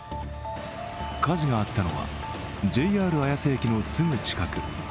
火事があったのはＪＲ綾瀬駅のすぐ近く。